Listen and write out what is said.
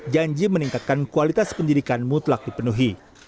janji meningkatkan kualitas pendidikan mutlak dipenuhi